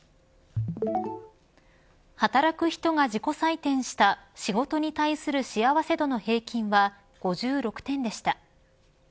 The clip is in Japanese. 働く人が自己採点した仕事に対する幸せ度の平均は５６点でした。